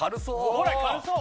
ほら軽そう！